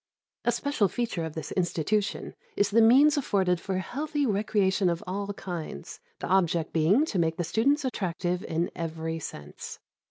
A special feature of this institution is the means afforded for healthy recreation of all kinds, the object being to make the students attractive in every sense.